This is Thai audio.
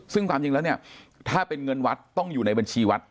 ซึ่งความจริงและถ้าเป็นเงินฐาวัสต์ต้องอยู่ในบัญชีฐาวัสต์